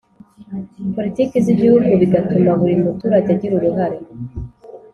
poritiki z’Igihugu, bigatuma buri muturage agira uruhare